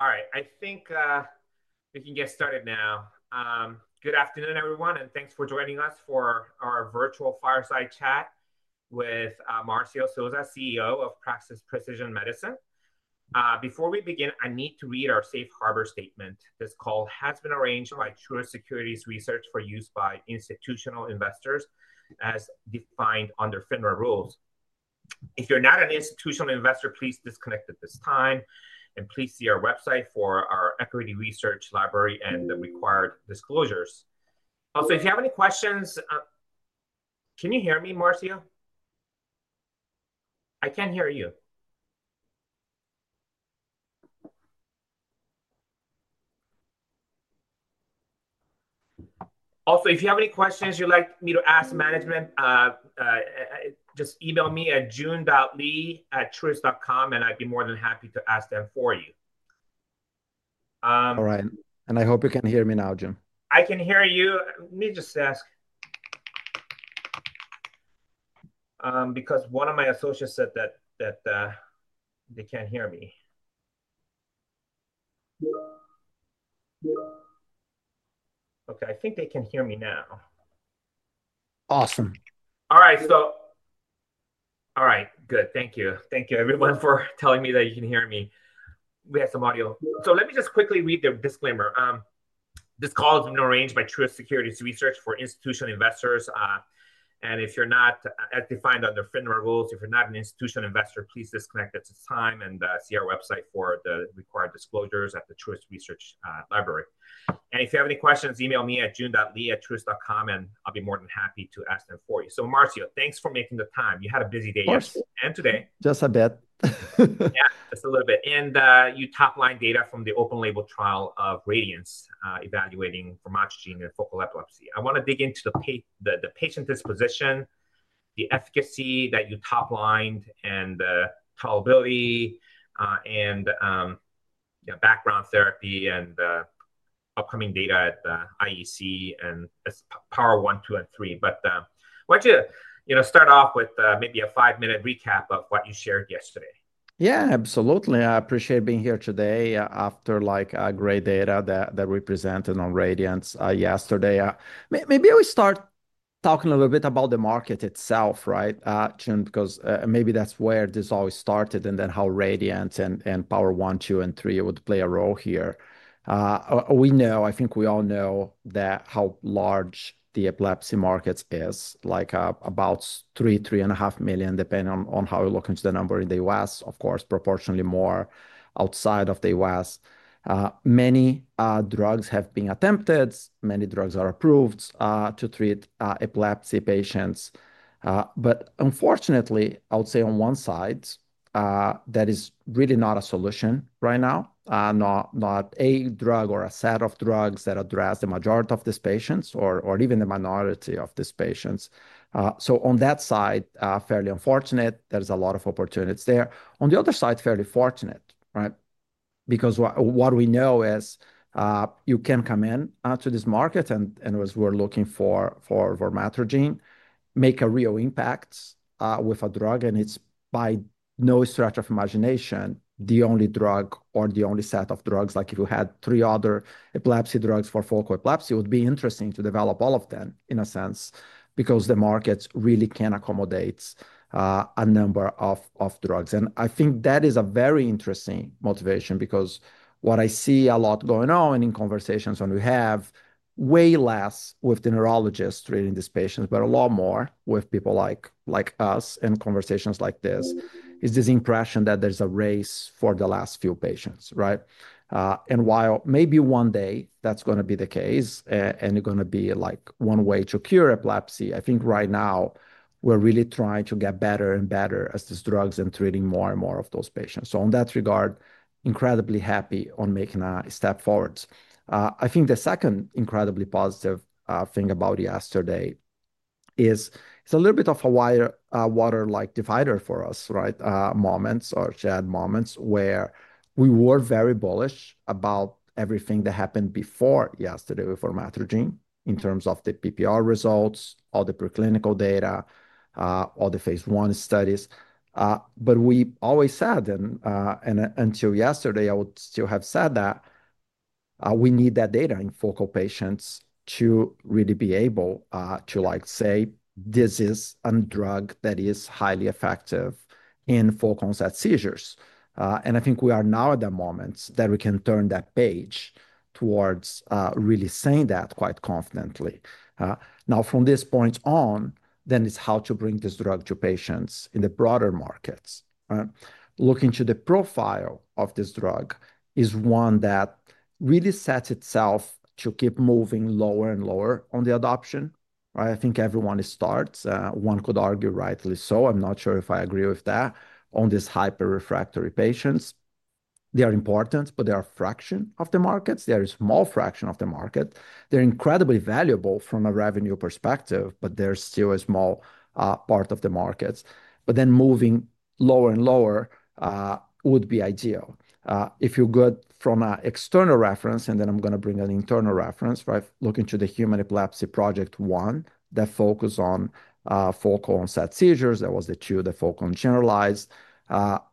All right, I think we can get started now. Good afternoon, everyone, and thanks for joining us for our virtual fireside chat with Marcio Silva, CEO of Praxis Precision Medicines. Before we begin, I need to read our safe harbor statement. This call has been arranged by Truist Securities Research for use by institutional investors, as defined under FINRA rules. If you're not an institutional investor, please disconnect at this time, and please see our website for our equity research library and the required disclosures. Also, if you have any questions, can you hear me, Marcio? I can't hear you. Also, if you have any questions you'd like me to ask management, just email me at joon.lee@triust.com, and I'd be more than happy to ask them for you. All right, I hope you can hear me now, Joon. I can hear you. Let me just ask because one of my associates said that they can't hear me. Okay, I think they can hear me now. Awesome. All right, thank you. Thank you, everyone, for telling me that you can hear me. We had some audio. Let me just quickly read the disclaimer. This call has been arranged by Trust Securities Research for institutional investors, and if you're not, as defined under FINRA rules, if you're not an institutional investor, please disconnect at this time and see our website for the required disclosures at the Truist Research Library. If you have any questions, email me at joon.lee@truist.com, and I'll be more than happy to ask them for you. Marcio, thanks for making the time. You had a busy day. Of course. And today. Just a bit. Yeah, just a little bit. You top-lined data from the open-label trial of Radiens evaluating for myasthenia focal epilepsy. I want to dig into the patient disposition, the efficacy that you top-lined, the tolerability, background therapy, and the upcoming data at the IEC as well as Power 1, 2, and 3. I want you to start off with maybe a five-minute recap of what you shared yesterday. Yeah, absolutely. I appreciate being here today after great data that we presented on Radiens yesterday. Maybe I'll start talking a little bit about the market itself, right, Joon, because maybe that's where this all started and then how Radiens and Power 1, 2, and 3 would play a role here. We know, I think we all know how large the epilepsy market is, like about 3, 3.5 million, depending on how you look into the number in the U.S. Of course, proportionately more outside of the U.S. Many drugs have been attempted, many drugs are approved to treat epilepsy patients. Unfortunately, I would say on one side, that is really not a solution right now. Not a drug or a set of drugs that address the majority of these patients or even the minority of these patients. On that side, fairly unfortunate, there's a lot of opportunities there. On the other side, fairly fortunate, right? What we know is you can come into this market and, as we're looking for, for relutrigine, make a real impact with a drug, and it's, by no stretch of imagination, the only drug or the only set of drugs. Like if you had three other epilepsy drugs for focal epilepsy, it would be interesting to develop all of them in a sense because the market really can accommodate a number of drugs. I think that is a very interesting motivation because what I see a lot going on in conversations when we have way less with the neurologists treating these patients, but a lot more with people like us in conversations like this, is this impression that there's a race for the last few patients, right? Maybe one day that's going to be the case and you're going to be like one way to cure epilepsy. I think right now we're really trying to get better and better as these drugs are treating more and more of those patients. In that regard, incredibly happy on making a step forward. I think the second incredibly positive thing about yesterday is it's a little bit of a wider water-like divider for us, right? Moments or shared moments where we were very bullish about everything that happened before yesterday with relutrigine in terms of the PPR results, all the preclinical data, all the phase one studies. We always said, and until yesterday, I would still have said that we need that data in focal patients to really be able to like say this is a drug that is highly effective in focal onset seizures. I think we are now at that moment that we can turn that page towards really saying that quite confidently. Now, from this point on, it's how to bring this drug to patients in the broader markets. Looking to the profile of this drug, it is one that really sets itself to keep moving lower and lower on the adoption. I think everyone starts. One could argue rightly so. I'm not sure if I agree with that on these hyper-refractory patients. They are important, but they are a fraction of the markets. They are a small fraction of the market. They're incredibly valuable from a revenue perspective, but they're still a small part of the markets. Moving lower and lower would be ideal. If you go from an external reference, and then I'm going to bring an internal reference, right? Looking to the Human Epilepsy Project One that focused on focal onset seizures, that was the two that focused on generalized.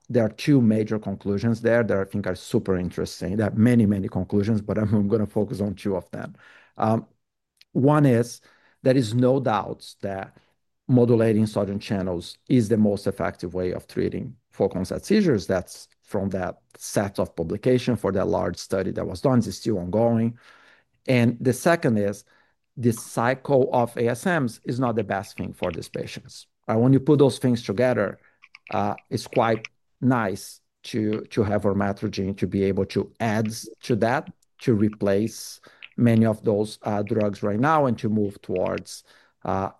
There are two major conclusions there that I think are super interesting. There are many, many conclusions, but I'm going to focus on two of them. One is there is no doubt that modulating sodium channels is the most effective way of treating focal onset seizures. That's from that set of publications for that large study that was done. It's still ongoing. The second is the cycle of ASMs is not the best thing for these patients. When you put those things together, it's quite nice to have relutrigine to be able to add to that, to replace many of those drugs right now and to move towards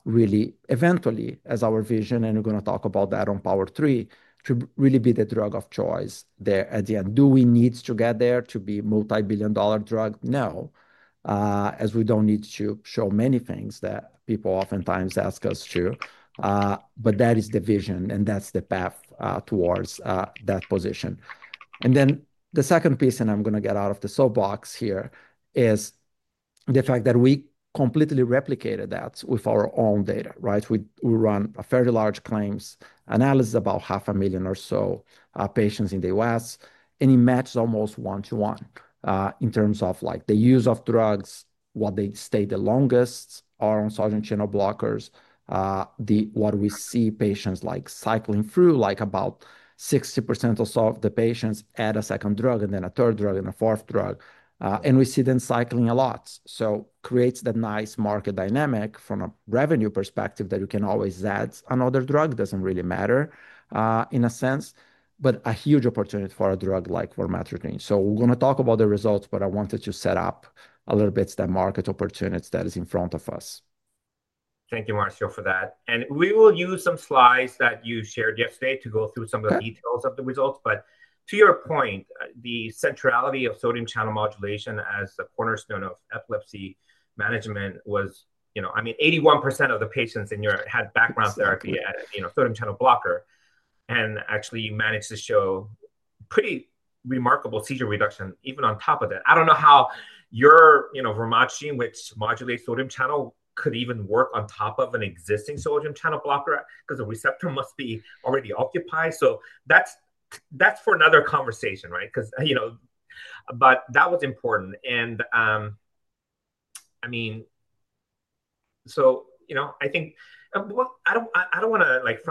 really eventually, as our vision, and we're going to talk about that on Power 3, to really be the drug of choice there at the end. Do we need to get there to be a multi-billion dollar drug? No. We don't need to show many things that people oftentimes ask us to. That is the vision, and that's the path towards that position. The second piece, and I'm going to get out of the soapbox here, is the fact that we completely replicated that with our own data, right? We run a fairly large claims analysis, about 0.5 million or so patients in the U.S., and it matches almost one to one in terms of the use of drugs. What they stay the longest are on sodium channel blockers. What we see, patients cycling through, about 60% or so of the patients add a second drug and then a third drug and a fourth drug. We see them cycling a lot. It creates that nice market dynamic from a revenue perspective that you can always add another drug. It doesn't really matter in a sense, but a huge opportunity for a drug like relutrigine. We're going to talk about the results, but I wanted to set up a little bit of that market opportunity that is in front of us. Thank you, Marcio, for that. We will use some slides that you shared yesterday to go through some of the details of the results. To your point, the centrality of sodium channel modulation as the cornerstone of epilepsy management was, you know, I mean, 81% of the patients in Europe had background therapy at a sodium channel blocker and actually managed to show pretty remarkable seizure reduction even on top of that. I don't know how your relutrigine, which modulates sodium channel, could even work on top of an existing sodium channel blocker because the receptor must be already occupied. That's for another conversation, right? That was important. I mean, you know, I think, I don't want to like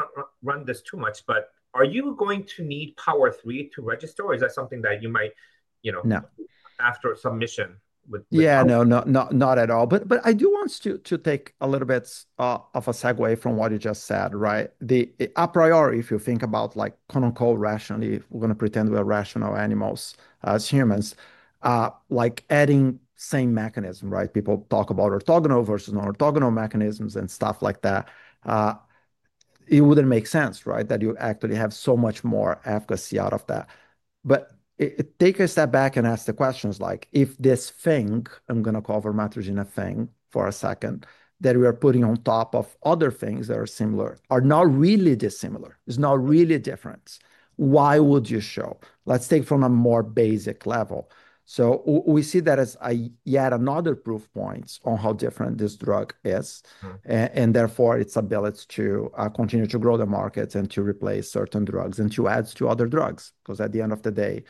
run this too much, but are you going to need Power 3 to register? Or is that something that you might, you know, after submission? Yeah, no, not at all. I do want to take a little bit of a segue from what you just said, right? A priori, if you think about like quote unquote rationally, we're going to pretend we're rational animals as humans, like adding the same mechanism, right? People talk about orthogonal versus non-orthogonal mechanisms and stuff like that. It wouldn't make sense, right, that you actually have so much more efficacy out of that. Take a step back and ask the questions like if this thing, I'm going to call relutrigine a thing for a second, that we are putting on top of other things that are similar, are not really dissimilar, it's not really different, why would you show? Let's take it from a more basic level. We see that as yet another proof point on how different this drug is, and therefore its ability to continue to grow the market and to replace certain drugs and to add to other drugs. At the end of the day,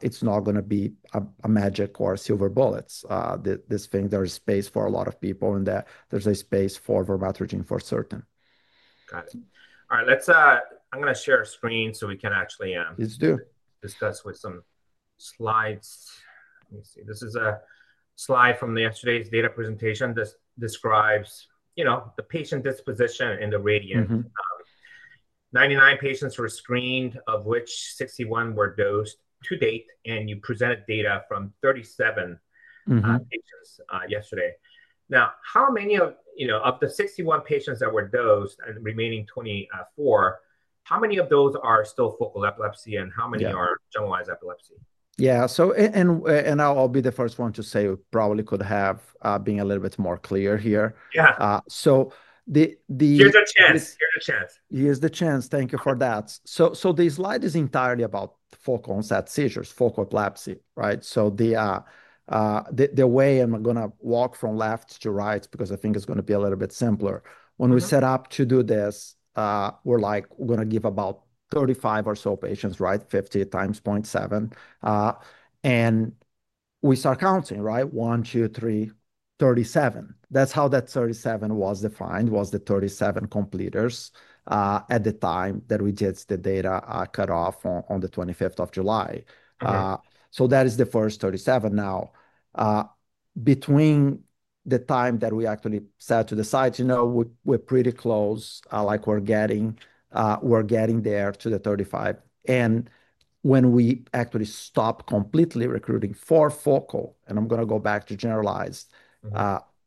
it's not going to be a magic or silver bullet. This thing, there is space for a lot of people and there's a space for relutrigine for certain. Got it. All right, I'm going to share a screen so we can actually. Please do. Let me see. This is a slide from yesterday's data presentation that describes the patient disposition in the Radiens trial. 99 patients were screened, of which 61 were dosed to date, and you presented data from 37 patients yesterday. Now, how many of the 61 patients that were dosed and the remaining 24, how many of those are still focal epilepsy and how many are generalized epilepsy? Yeah, I'll be the first one to say it probably could have been a little bit more clear here. Yeah. So the. Here's a chance. Here's a chance. Here's the chance. Thank you for that. The slide is entirely about focal onset seizures, focal epilepsy, right? The way I'm going to walk from left to right is because I think it's going to be a little bit simpler. When we set up to do this, we're like, we're going to give about 35 or so patients, right? 50.7x. We start counting, right? One, two, three, 37. That's how that 37 was defined, was the 37 completers at the time that we did the data cutoff on the 25th of July. That is the first 37. Now, between the time that we actually said to the sites, you know, we're pretty close, like we're getting there to the 35, and when we actually stopped completely recruiting for focal, and I'm going to go back to generalized,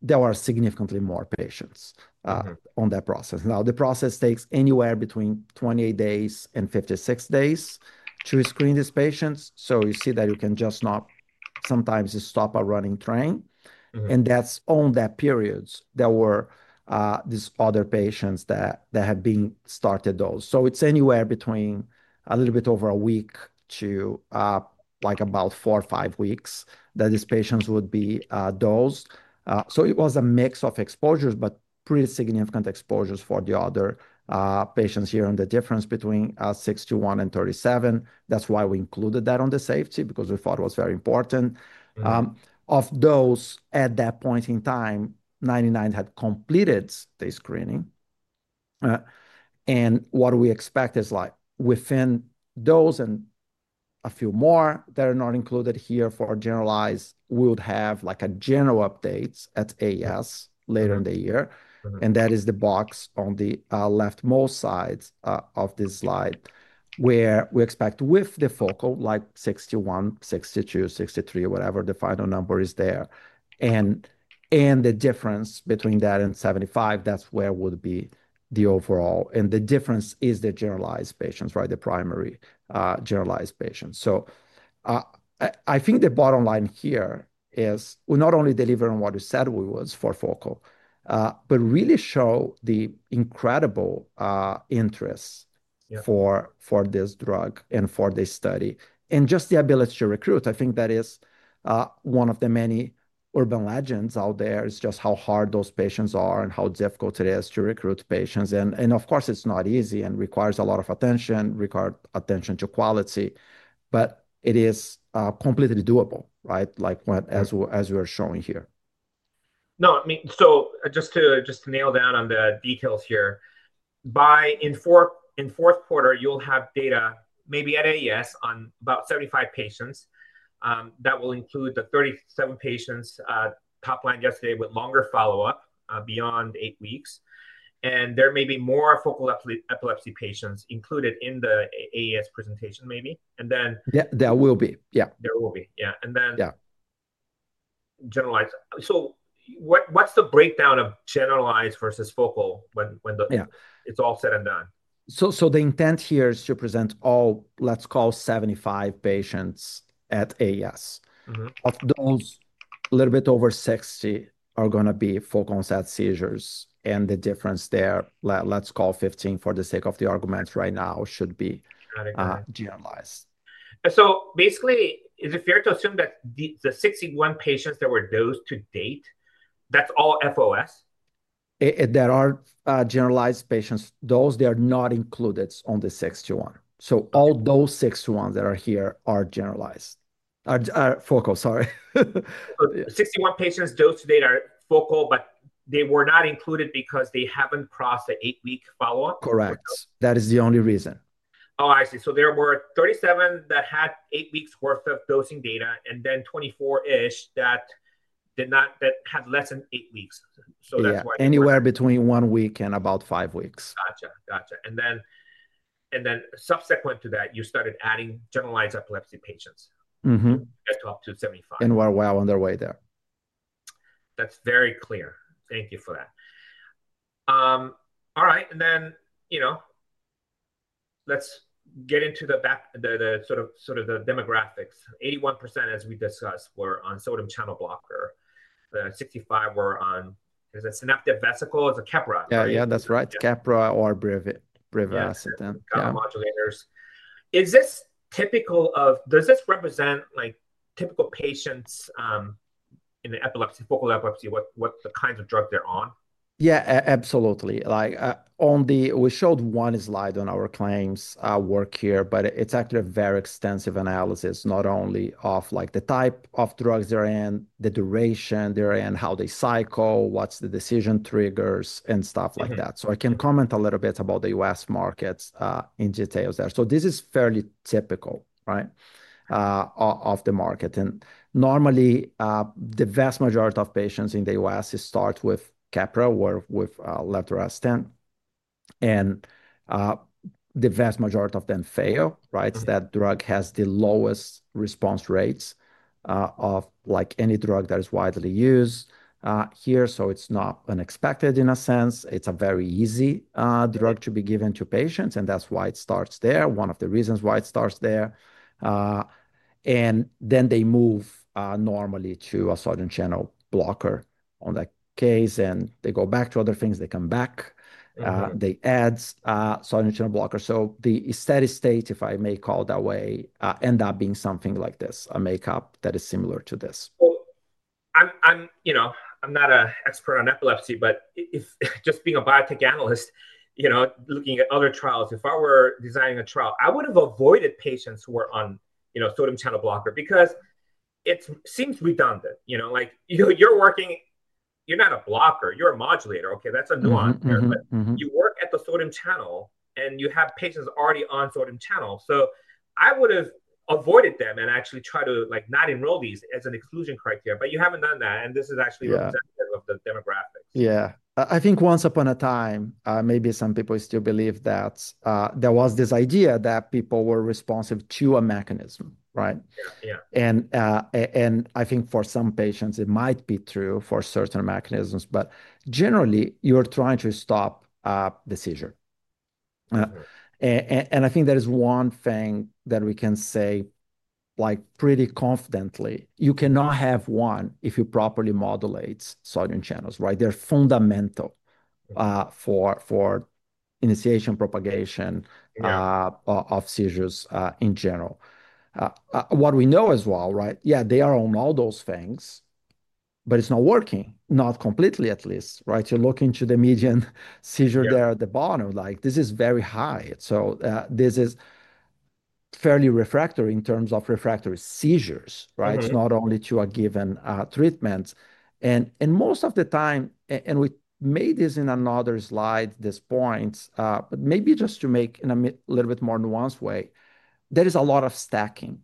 there were significantly more patients on that process. The process takes anywhere between 28 days and 56 days to screen these patients. You see that you can just not sometimes you stop a running train. That's on that period that were these other patients that have been started dosed. It's anywhere between a little bit over a week to like about four or five weeks that these patients would be dosed. It was a mix of exposures, but pretty significant exposures for the other patients here in the difference between 61 and 37. That's why we included that on the safety because we thought it was very important. Of those, at that point in time, 99 had completed the screening. What we expect is like within those and a few more that are not included here for generalized, we would have like a general update at AES later in the year. That is the box on the leftmost side of this slide where we expect with the focal, like 61, 62, 63, whatever the final number is there. The difference between that and 75, that's where would be the overall. The difference is the generalized patients, right? The primary generalized patients. I think the bottom line here is we're not only delivering what we said we would for focal, but really show the incredible interest for this drug and for this study. Just the ability to recruit, I think that is one of the many urban legends out there. It's just how hard those patients are and how difficult it is to recruit patients. Of course, it's not easy and requires a lot of attention, requires attention to quality. It is completely doable, right? Like as we're showing here. No, I mean, just to nail down on the details here, by in fourth quarter, you'll have data maybe at AES on about 75 patients. That will include the 37 patients top-line yesterday with longer follow-up beyond eight weeks. There may be more focal epilepsy patients included in the AES presentation maybe. Then. There will be, yeah. There will be, yeah. What's the breakdown of generalized versus focal when it's all said and done? The intent here is to present all, let's call 75 patients at AES. Of those, a little bit over 60 are going to be focal onset seizures. The difference there, let's call 15 for the sake of the arguments right now, should be generalized. Is it fair to assume that the 61 patients that were dosed to date, that's all FOS? There are generalized patients. They are not included in the 61. All those 61 that are here are focal, sorry. 61 patients dosed to date are focal, but they were not included because they haven't crossed the eight-week follow-up? Correct. That is the only reason. Oh, I see. There were 37 that had eight weeks' worth of dosing data, and then 24-ish that did not, that had less than eight weeks. Yeah, anywhere between one week and about five weeks. Gotcha, gotcha. Subsequent to that, you started adding generalized epilepsy patients. Mm-hmm. Up to 75%. We're well on the way there. That's very clear. Thank you for that. All right, and then, you know, let's get into the back, the sort of the demographics. 81%, as we discussed, were on sodium channel blocker. 65 were on, is it synaptic vesicles or Keppra? Yeah, yeah, that's right. Keppra or Briviact then. Keppra modulators. Is this typical of, does this represent like typical patients in the epilepsy, focal epilepsy, what the kinds of drugs they're on? Yeah, absolutely. We showed one slide on our claims work here, but it's actually a very extensive analysis, not only of the type of drugs they're in, the duration they're in, how they cycle, what's the decision triggers, and stuff like that. I can comment a little bit about the U.S. market in details there. This is fairly typical of the market. Normally, the vast majority of patients in the U.S. start with Keppra or with levetiracetam. The vast majority of them fail, right? That drug has the lowest response rates of any drug that is widely used here. It's not unexpected in a sense. It's a very easy drug to be given to patients, and that's why it starts there, one of the reasons why it starts there. They move normally to a sodium channel blocker in that case, and they go back to other things, they come back, they add sodium channel blockers. The steady state, if I may call it that way, ends up being something like this, a makeup that is similar to this. I'm not an expert on epilepsy, but just being a biotech analyst, looking at other trials, if I were designing a trial, I would have avoided patients who were on sodium channel blocker because it seems redundant. You're not a blocker, you're a modulator, okay? That's a nuance there. You work at the sodium channel, and you have patients already on sodium channel. I would have avoided them and actually tried to not enroll these as an exclusion criteria, but you haven't done that, and this is actually a demographic. Yeah, I think once upon a time, maybe some people still believe that there was this idea that people were responsive to a mechanism, right? I think for some patients, it might be true for certain mechanisms, but generally, you're trying to stop the seizure. I think that is one thing that we can say pretty confidently. You cannot have one if you properly modulate sodium channels, right? They're fundamental for initiation and propagation of seizures in general. What we know as well, right? They are on all those things, but it's not working, not completely at least, right? You look into the median seizure there at the bottom, like this is very high. This is fairly refractory in terms of refractory seizures, right? It's not only to a given treatment. Most of the time, and we made this in another slide at this point, but maybe just to make it a little bit more nuanced way, there is a lot of stacking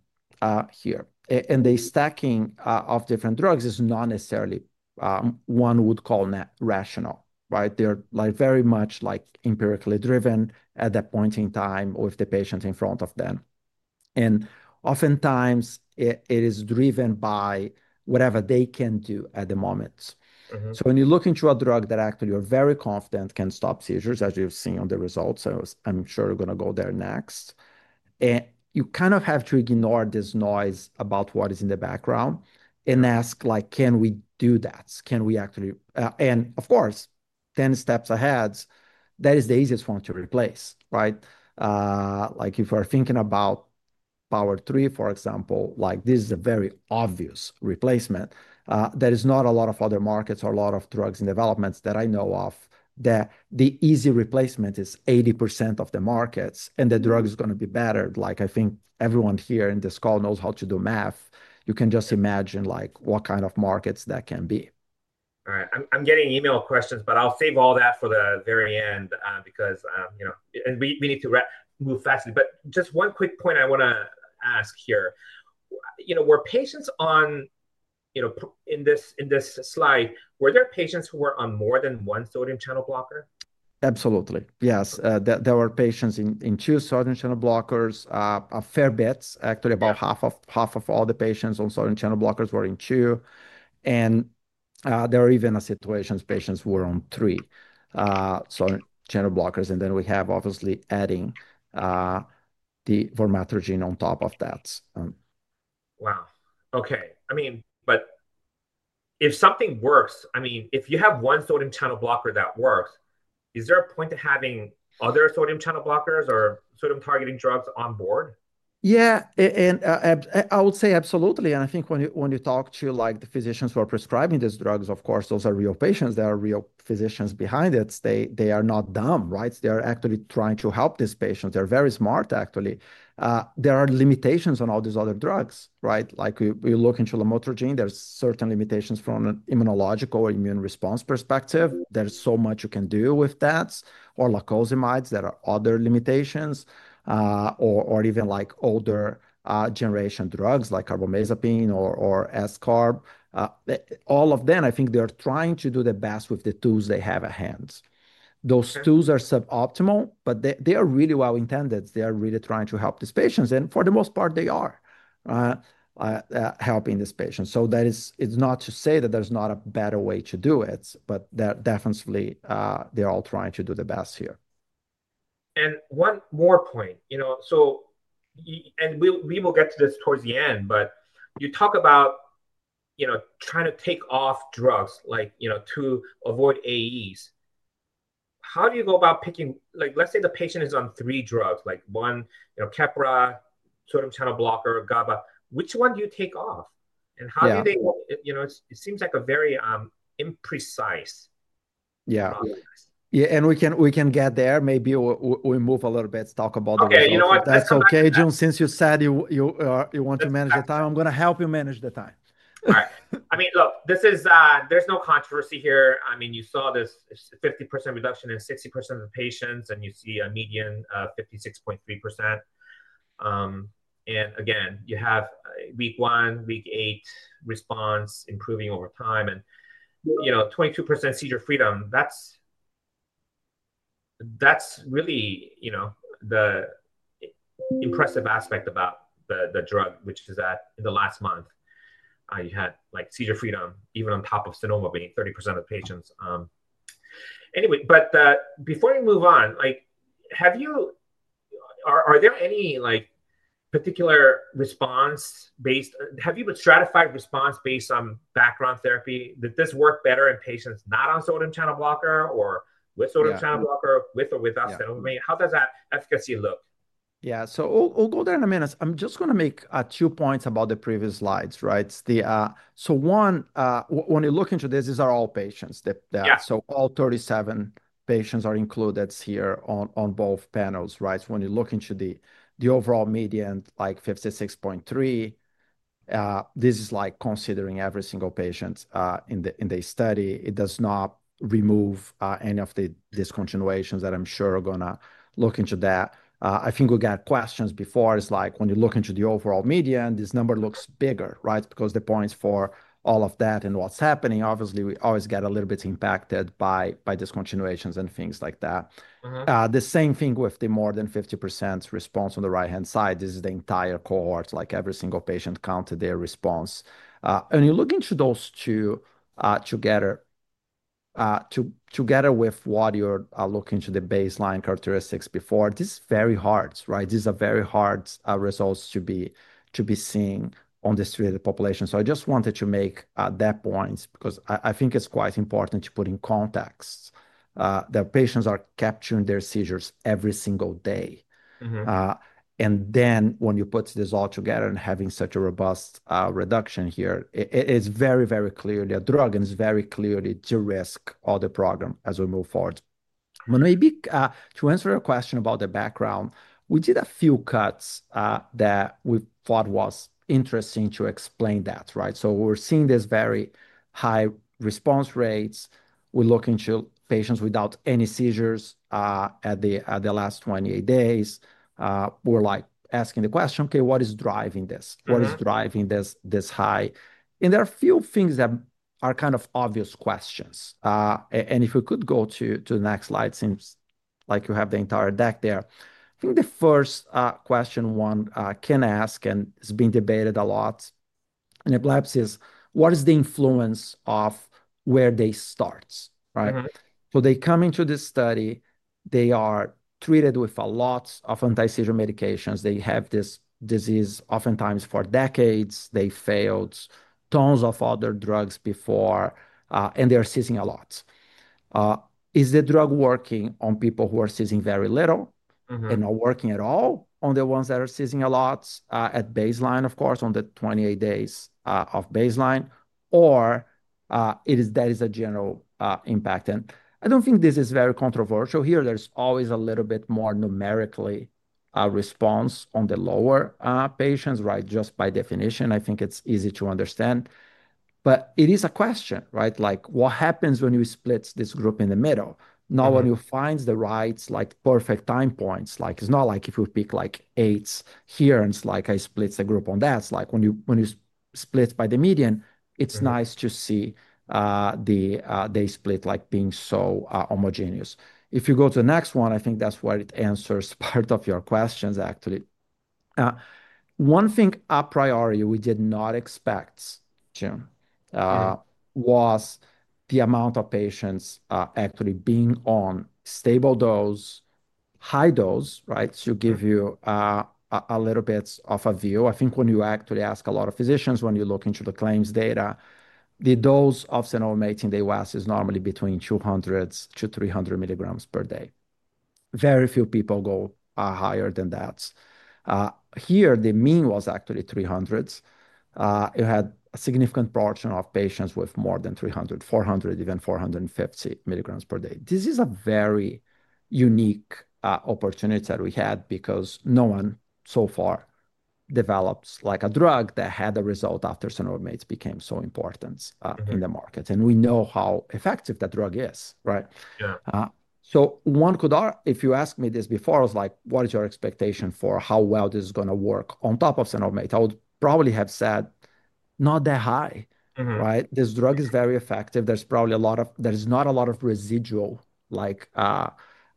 here. The stacking of different drugs is not necessarily what one would call rational, right? They're very much empirically driven at that point in time with the patient in front of them. Oftentimes, it is driven by whatever they can do at the moment. When you look into a drug that actually you're very confident can stop seizures, as you've seen on the results, I'm sure you're going to go there next. You kind of have to ignore this noise about what is in the background and ask, can we do that? Can we actually, and of course, 10 steps ahead, that is the easiest one to replace, right? If you're thinking about Power 3, for example, this is a very obvious replacement. There is not a lot of other markets or a lot of drugs in development that I know of that the easy replacement is 80% of the markets and the drug is going to be better. I think everyone here in this call knows how to do math. You can just imagine what kind of markets that can be. All right, I'm getting email questions, but I'll save all that for the very end because, you know, we need to move fast. Just one quick point I want to ask here. You know, were patients on, you know, in this slide, were there patients who were on more than one sodium channel blocker? Absolutely, yes. There were patients on two sodium channel blockers, a fair bit, actually about half of all the patients on sodium channel blockers were on two. There are even situations patients were on three sodium channel blockers. Obviously, adding relutrigine on top of that. Okay. I mean, if something works, I mean, if you have one sodium channel blocker that works, is there a point to having other sodium channel blockers or sodium targeting drugs on board? Yeah, I would say absolutely. I think when you talk to the physicians who are prescribing these drugs, those are real patients. They are real physicians behind it. They are not dumb, right? They are actually trying to help these patients. They're very smart, actually. There are limitations on all these other drugs, right? Like we look into lamotrigine, there are certain limitations from an immunological or immune response perspective. There's so much you can do with that. Or lacosamide, there are other limitations. Even older generation drugs like carbamazepine or zecarb, all of them, I think they're trying to do the best with the tools they have at hand. Those tools are suboptimal, but they are really well intended. They are really trying to help these patients. For the most part, they are helping these patients. That is, it's not to say that there's not a better way to do it, but definitely, they're all trying to do the best here. One more point, you know, we will get to this towards the end, but you talk about trying to take off drugs, like, you know, to avoid AEs. How do you go about picking, like, let's say the patient is on three drugs, like one, you know, Keppra, sodium channel blocker, GABA, which one do you take off? How do they, you know, it seems like a very imprecise. Yeah, we can get there. Maybe we move a little bit, talk about the review. That's okay, Joon, since you said you want to manage the time, I'm going to help you manage the time. All right. I mean, look, this is, there's no controversy here. I mean, you saw this 50% reduction in 60% of the patients, and you see a median of 56.3%. Again, you have week one, week eight response, improving over time, and, you know, 22% seizure freedom. That's really, you know, the impressive aspect about the drug, which is that in the last month, you had like seizure freedom, even on top of cenobamate, 30% of patients. Anyway, before you move on, like, have you, are there any like particular response based, have you stratified response based on background therapy? Does this work better in patients not on sodium channel blocker or with sodium channel blocker, with or without cenobamate? How does that efficacy look? Yeah, so we'll go there in a minute. I'm just going to make two points about the previous slides, right? One, when you look into this, these are all patients. All 37 patients are included here on both panels, right? When you look into the overall median, like 56.3, this is like considering every single patient in the study. It does not remove any of the discontinuations that I'm sure are going to look into that. I think we got questions before. It's like when you look into the overall median, this number looks bigger, right? Because the points for all of that and what's happening, obviously, we always get a little bit impacted by discontinuations and things like that. The same thing with the more than 50% response on the right-hand side. This is the entire cohort, like every single patient counted their response. You look into those two together with what you're looking into the baseline characteristics before. This is very hard, right? These are very hard results to be seen on the street of the population. I just wanted to make that point because I think it's quite important to put in context that patients are capturing their seizures every single day. When you put this all together and having such a robust reduction here, it's very, very clearly a drug and it's very clearly to risk all the program as we move forward. Maybe to answer your question about the background, we did a few cuts that we thought was interesting to explain that, right? We're seeing this very high response rates. We look into patients without any seizures at the last 28 days. We're like asking the question, okay, what is driving this? What is driving this high? There are a few things that are kind of obvious questions. If we could go to the next slide, it seems like you have the entire deck there. I think the first question one can ask and has been debated a lot in epilepsy is what is the influence of where they start, right? They come into this study, they are treated with a lot of anti-seizure medications. They have this disease oftentimes for decades. They failed tons of other drugs before, and they're seizing a lot. Is the drug working on people who are seizing very little and not working at all on the ones that are seizing a lot at baseline, of course, on the 28 days of baseline, or that is a general impact? I don't think this is very controversial here. There's always a little bit more numerically response on the lower patients, right? Just by definition, I think it's easy to understand. It is a question, right? Like what happens when you split this group in the middle? Now when you find the right, like perfect time points, like it's not like if you pick like eight here and it's like I split the group on that. It's like when you split by the median, it's nice to see they split like being so homogeneous. If you go to the next one, I think that's where it answers part of your questions, actually. One thing a priority we did not expect, Joon, was the amount of patients actually being on stable dose, high dose, right? To give you a little bit of a view, I think when you actually ask a lot of physicians, when you look into the claims data, the dose of cenobamate in the U.S. is normally between 200 mg-300 mg per day. Very few people go higher than that. Here, the mean was actually 300 mg. You had a significant portion of patients with more than 300 mg, 400 mg, even 450 mg per day. This is a very unique opportunity that we had because no one so far developed like a drug that had a result after cenobamate became so important in the market. We know how effective that drug is, right? Yeah. If you asked me this before, I was like, what is your expectation for how well this is going to work on top of cenobamate? I would probably have said not that high, right? This drug is very effective. There's probably a lot of, there's not a lot of residual like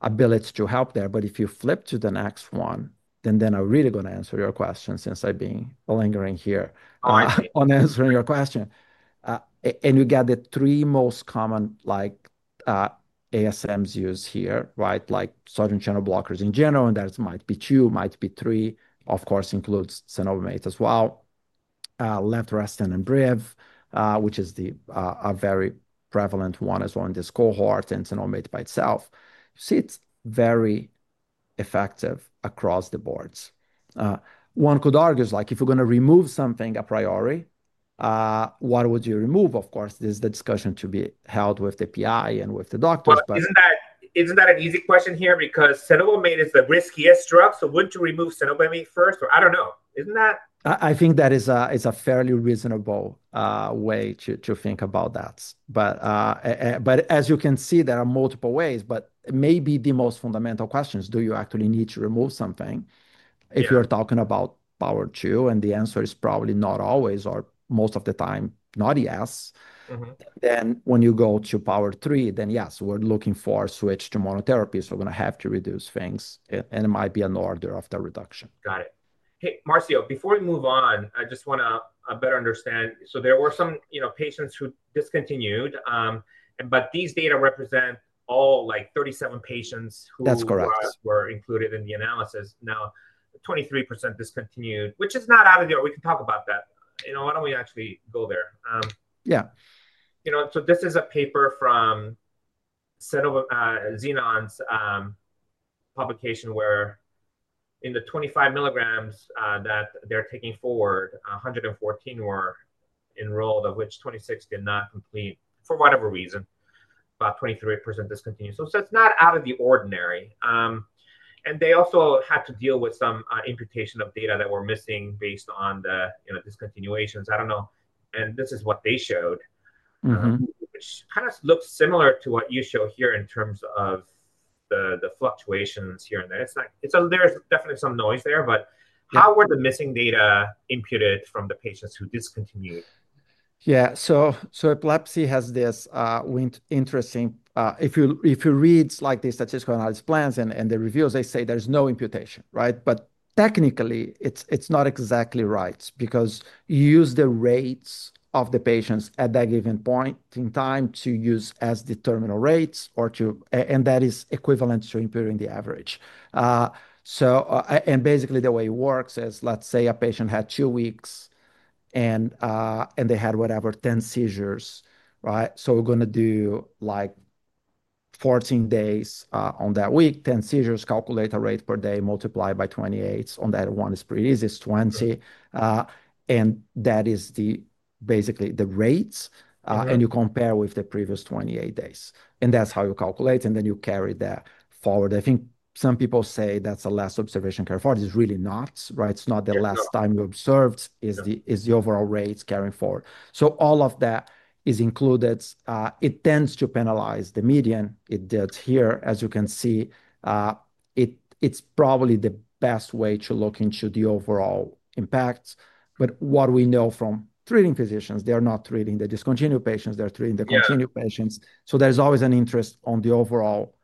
ability to help there. If you flip to the next one, I'm really going to answer your question since I've been lingering here on answering your question. You get the three most common ASMs used here, right? Like sodium channel blockers in general, and that might be two, might be three. Of course, includes cenobamate as well. levetiracetam and Briviact, which is a very prevalent one as well in this cohort, and cenobamate by itself. You see, it's very effective across the boards. One could argue if you're going to remove something a priori, what would you remove? Of course, this is the discussion to be held with the PI and with the doctors. Isn't that an easy question here? Because cenobamate is the riskiest drug. Would you remove cenobamate first? I don't know. Isn't that? I think that is a fairly reasonable way to think about that. As you can see, there are multiple ways, but maybe the most fundamental question is do you actually need to remove something? If you're talking about Power 2, the answer is probably not always or most of the time not yes. When you go to Power 3, yes, we're looking for a switch to monotherapy. We're going to have to reduce things, and it might be an order of the reduction. Got it. Hey, Marcio, before we move on, I just want to better understand. There were some patients who discontinued. These data represent all 37 patients who. That's correct. Were included in the analysis. Now, 23% discontinued, which is not out of the order. We can talk about that. Why don't we actually go there? Yeah. You know, this is a paper from Zenon's publication where in the 25 mg that they're taking forward, 114 were enrolled, of which 26 did not complete for whatever reason. About 23% discontinued. It's not out of the ordinary. They also had to deal with some imputation of data that were missing based on the discontinuations. I don't know. This is what they showed. It kind of looks similar to what you show here in terms of the fluctuations here and there. There's definitely some noise there, but how were the missing data imputed from the patients who discontinued? Yeah, so epilepsy has this interesting. If you read like the statistical analysis plans and the reviews, they say there's no imputation, right? Technically, it's not exactly right because you use the rates of the patients at that given point in time to use as the terminal rates, and that is equivalent to imputing the average. Basically, the way it works is let's say a patient had two weeks and they had whatever, 10 seizures, right? We're going to do like 14 days on that week, 10 seizures, calculate a rate per day, multiply by 28. On that one, it's pretty easy. It's 20. That is basically the rates, and you compare with the previous 28 days. That's how you calculate, and then you carry that forward. I think some people say that's the last observation carried forward. It's really not, right? It's not the last time you observed. It's the overall rates carrying forward. All of that is included. It tends to penalize the median. It does here, as you can see. It's probably the best way to look into the overall impact. What we know from treating physicians, they're not treating the discontinued patients. They're treating the continued patients. There's always an interest on the overall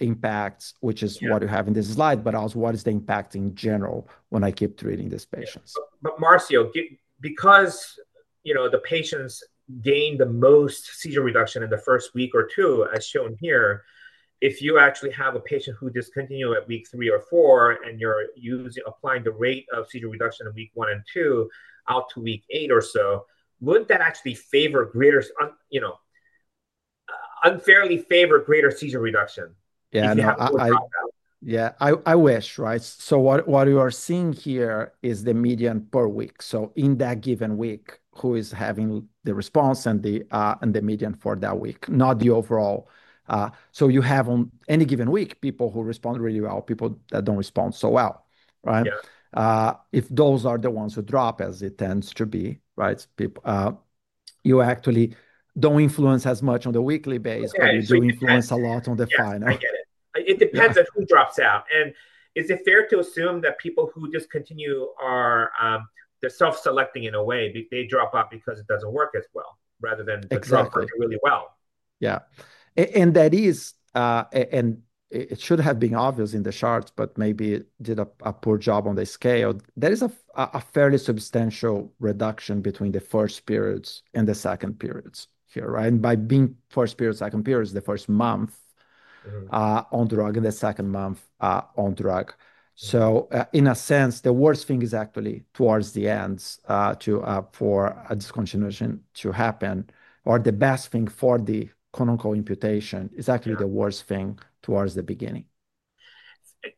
impact, which is what you have in this slide, but also what is the impact in general when I keep treating these patients. Marcio, because, you know, the patients gain the most seizure reduction in the first week or two, as shown here, if you actually have a patient who discontinues at week three or four and you're applying the rate of seizure reduction in week one and two out to week eight or so, wouldn't that actually unfairly favor greater seizure reduction? Yeah, no, I wish, right? What you are seeing here is the median per week. In that given week, who is having the response and the median for that week, not the overall. You have on any given week people who respond really well, people that don't respond so well, right? If those are the ones who drop, as it tends to be, you actually don't influence as much on the weekly base, but you do influence a lot on the final. I get it. It depends on who drops out. Is it fair to assume that people who discontinue are self-selecting in a way? They drop out because it doesn't work as well rather than just not working really well. Yeah. It should have been obvious in the charts, but maybe did a poor job on the scale. There is a fairly substantial reduction between the first periods and the second periods here, right? By being first period, second period is the first month on drug and the second month on drug. In a sense, the worst thing is actually towards the end for a discontinuation to happen. The best thing for the clinical imputation is actually the worst thing towards the beginning.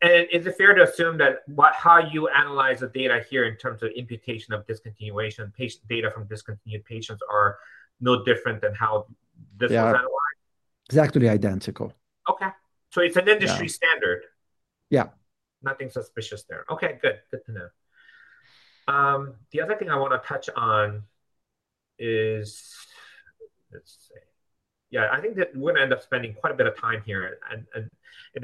Is it fair to assume that how you analyze the data here in terms of imputation of discontinuation, patient data from discontinued patients are no different than how this? Yeah, it's actually identical. Okay. It's an industry standard. Yeah.Nothing suspicious there. Okay, good. Good to know. The other thing I want to touch on is, let's see. Yeah, I think that we're going to end up spending quite a bit of time here.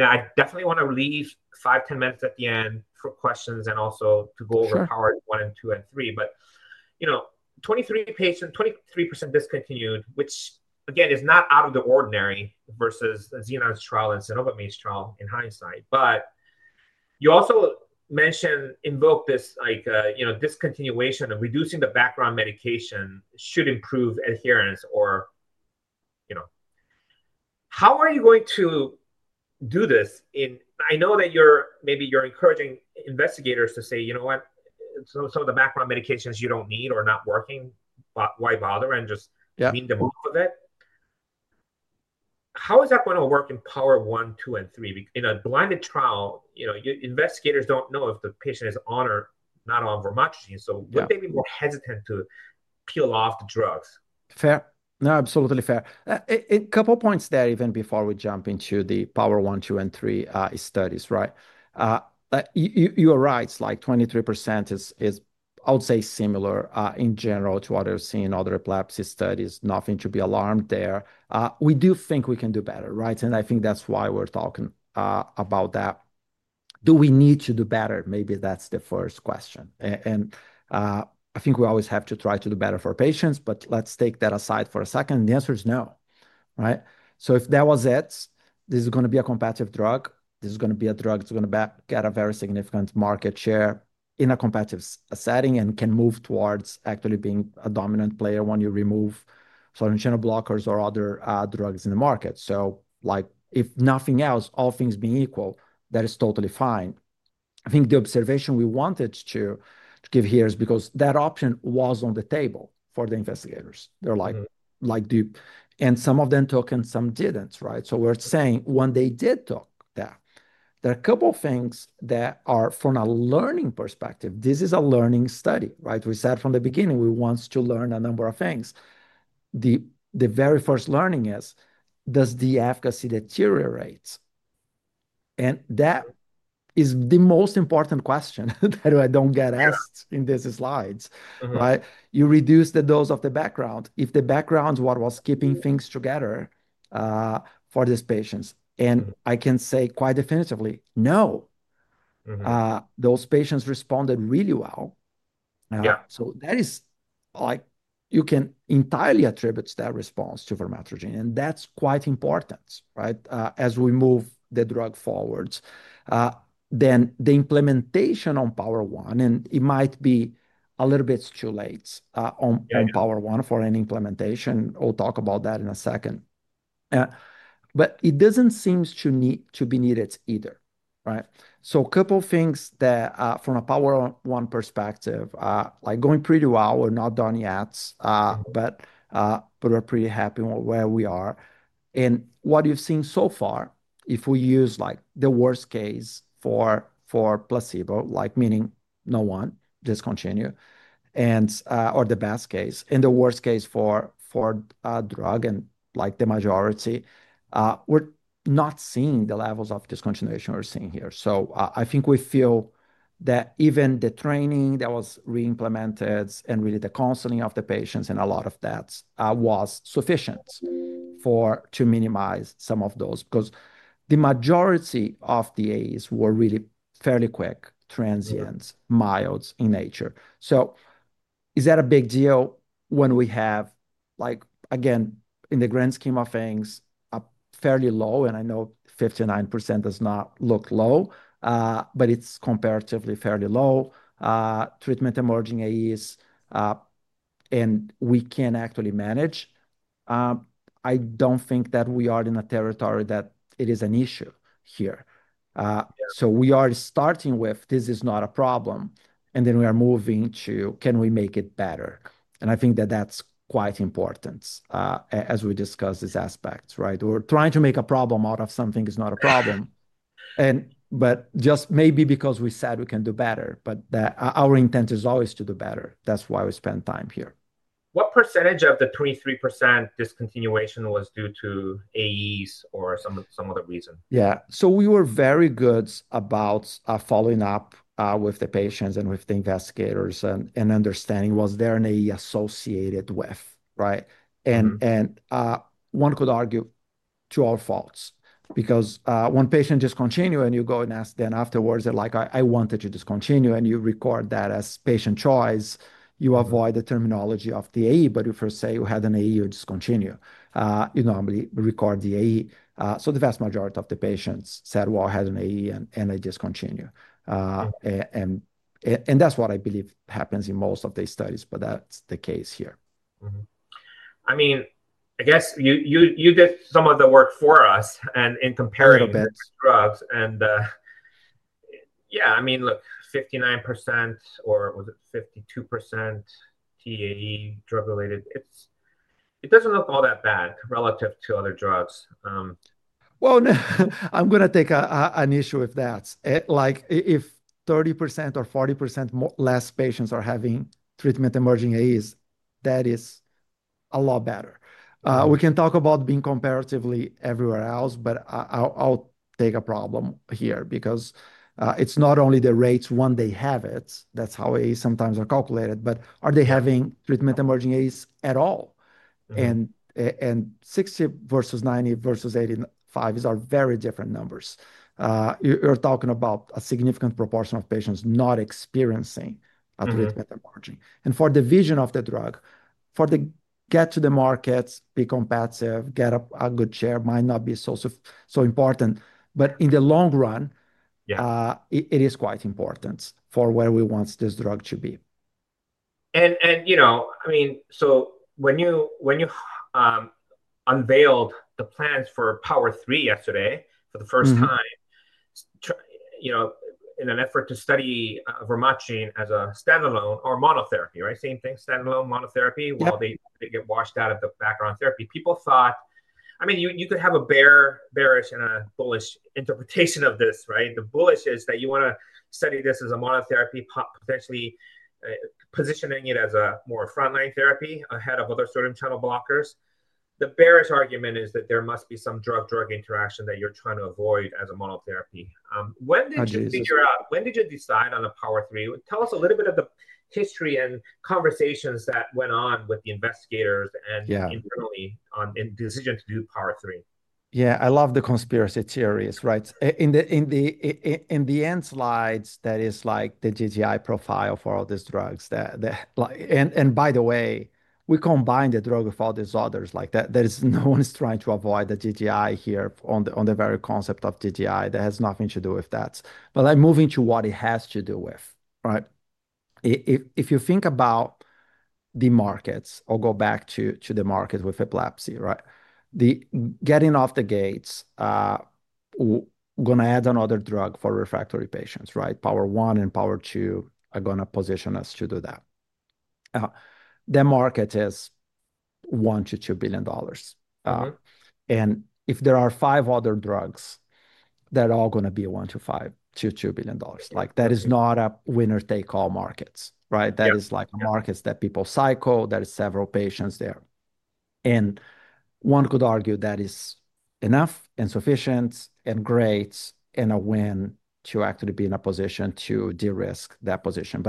I definitely want to leave five, 10 minutes at the end for questions and also to go over Power 1 and 2 and 3. You know, 23 patients, 23% discontinued, which again is not out of the ordinary versus the Zenon's trial and cenobamate's trial in hindsight. You also mentioned in the book this, like, you know, discontinuation of reducing the background medication should improve adherence or, you know, how are you going to do this? I know that maybe you're encouraging investigators to say, you know what? Some of the background medications you don't need or not working, why bother and just clean them up a bit. How is that going to work in Power 1, 2, and 3? In a blinded trial, you know, investigators don't know if the patient is on or not on relutrigine. Would they be more hesitant to peel off the drugs? Fair. No, absolutely fair. A couple of points there even before we jump into the Power 1, 2, and 3 studies, right? You are right. It's like 23% is, I would say, similar in general to what you're seeing in other epilepsy studies. Nothing to be alarmed there. We do think we can do better, right? I think that's why we're talking about that. Do we need to do better? Maybe that's the first question. I think we always have to try to do better for patients, but let's take that aside for a second. The answer is no, right? If that was it, this is going to be a competitive drug. This is going to be a drug that's going to get a very significant market share in a competitive setting and can move towards actually being a dominant player when you remove sodium channel blockers or other drugs in the market. If nothing else, all things being equal, that is totally fine. I think the observation we wanted to give here is because that option was on the table for the investigators. They're like, do you? Some of them took and some didn't, right? We're saying when they did talk that, there are a couple of things that are from a learning perspective. This is a learning study, right? We said from the beginning, we want to learn a number of things. The very first learning is, does the efficacy deteriorate? That is the most important question that I don't get asked in these slides. You reduce the dose of the background. If the background is what was keeping things together for these patients, and I can say quite definitively, no, those patients responded really well. That is like you can entirely attribute that response to relutrigine. That's quite important, right? As we move the drug forwards, then the implementation on Power 1, and it might be a little bit too late on Power 1 for any implementation. We'll talk about that in a second. It doesn't seem to be needed either, right? A couple of things that from a Power 1 perspective, like going pretty well. We're not done yet, but we're pretty happy with where we are. What you've seen so far, if we use like the worst case for placebo, meaning no one discontinued, and or the best case, and the worst case for a drug and like the majority, we're not seeing the levels of discontinuation we're seeing here. I think we feel that even the training that was reimplemented and really the counseling of the patients and a lot of that was sufficient to minimize some of those because the majority of the AEs were really fairly quick, transient, mild in nature. Is that a big deal when we have, like again, in the grand scheme of things, a fairly low, and I know 59% does not look low, but it's comparatively fairly low treatment-emerging AEs, and we can actually manage. I don't think that we are in a territory that it is an issue here. We are starting with this is not a problem, and then we are moving to can we make it better? I think that that's quite important as we discuss these aspects, right? We're trying to make a problem out of something that is not a problem, maybe because we said we can do better, but our intent is always to do better. That's why we spend time here. What percentage of the 23% discontinuation was due to AEs or some other reason? Yeah, we were very good about following up with the patients and with the investigators and understanding was there an AE associated with, right? One could argue to all faults because when patients discontinue and you go and ask them afterwards, they're like, I wanted to discontinue, and you record that as patient choice. You avoid the terminology of the AE, but if you say you had an AE, you discontinue. You normally record the AE. The vast majority of the patients said, I had an AE and I discontinued. That's what I believe happens in most of these studies, and that's the case here. I mean, I guess you did some of the work for us in comparing drugs. A little bit. I mean, look, 59% or 52% PAE drug-related, it doesn't look all that bad relative to other drugs. I'm going to take an issue with that. If 30% or 40% less patients are having treatment-emerging AEs, that is a lot better. We can talk about being comparatively everywhere else, but I'll take a problem here because it's not only the rates when they have it, that's how AEs sometimes are calculated, but are they having treatment-emerging AEs at all? 60 versus 90 versus 85 are very different numbers. You're talking about a significant proportion of patients not experiencing treatment-emerging. For the vision of the drug, for the get-to-the-market, be competitive, get a good share might not be so important, but in the long run, it is quite important for where we want this drug to be. When you unveiled the plans for Power 3 yesterday for the first time, in an effort to study relutrigine as a standalone or monotherapy, right? Same thing, standalone monotherapy, where they get washed out of the background therapy. People thought you could have a bearish and a bullish interpretation of this, right? The bullish is that you want to study this as a monotherapy, potentially positioning it as a more frontline therapy ahead of other sodium channel blockers. The bearish argument is that there must be some drug-drug interaction that you're trying to avoid as a monotherapy. When did you figure out, when did you decide on the Power 3? Tell us a little bit of the history and conversations that went on with the investigators and internally in the decision to do Power 3. Yeah, I love the conspiracy theories, right? In the end slides, that is like the GGI profile for all these drugs. By the way, we combine the drug with all these others. Like that, no one's trying to avoid the GGI here on the very concept of GGI. That has nothing to do with that. I move into what it has to do with, right? If you think about the markets, I'll go back to the market with epilepsy, right? Getting off the gates, we're going to add another drug for refractory patients, right? Power 1 and Power 2 are going to position us to do that. The market is $1 billion to $2 billion. If there are five other drugs, they're all going to be $1 billion-$2 billion. That is not a winner-take-all market, right? That is like markets that people cycle, there are several patients there. One could argue that is enough and sufficient and great and a win to actually be in a position to de-risk that position.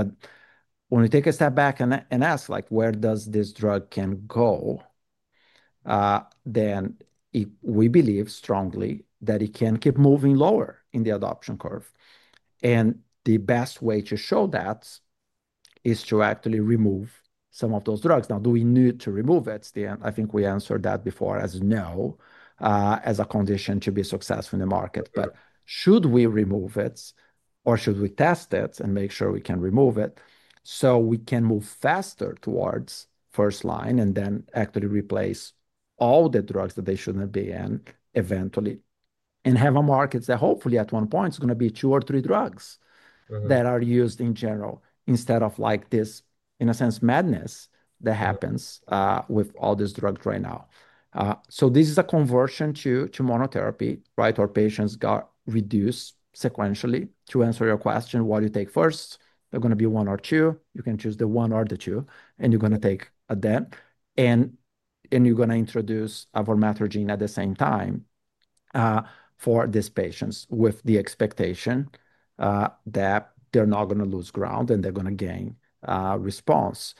When you take a step back and ask like where does this drug can go, then we believe strongly that it can keep moving lower in the adoption curve. The best way to show that is to actually remove some of those drugs. Now, do we need to remove it? I think we answered that before as a no, as a condition to be successful in the market. Should we remove it or should we test it and make sure we can remove it so we can move faster towards first line and then actually replace all the drugs that they shouldn't be in eventually and have a market that hopefully at one point is going to be two or three drugs that are used in general instead of like this, in a sense, madness that happens with all these drugs right now. This is a conversion to monotherapy, right? Or patients got reduced sequentially. To answer your question, what do you take first? They're going to be one or two. You can choose the one or the two, and you're going to take a dent. You're going to introduce relutrigine at the same time for these patients with the expectation that they're not going to lose ground and they're going to gain response.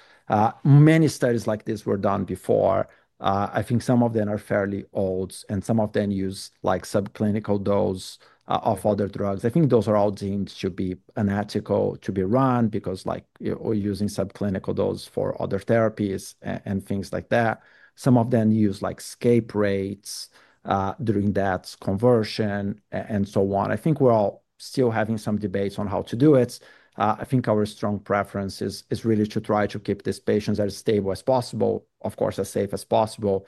Many studies like this were done before. I think some of them are fairly old and some of them use like subclinical dose of other drugs. I think those are all deemed to be unethical to be run because like we're using subclinical dose for other therapies and things like that. Some of them use like escape rates during that conversion and so on. I think we're all still having some debates on how to do it. I think our strong preference is really to try to keep these patients as stable as possible, of course, as safe as possible.